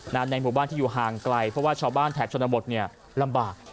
ในหมู่บ้านที่อยู่ห่างไกลเพราะว่าชาวบ้านแถบชนบทเนี่ยลำบาก